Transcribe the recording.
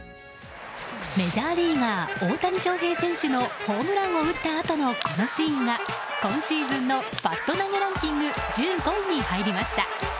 メジャーリーガー大谷翔平選手のホームランを打ったあとのこのシーンが今シーズンのバット投げランキング１５位に入りました。